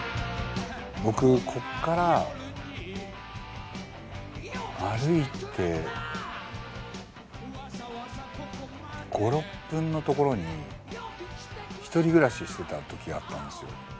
僕ここから歩いて５６分の所に１人暮らししてた時があったんですよ。